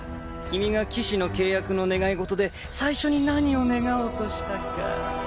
君が騎士の契約の願い事で最初に何を願おうとしたか。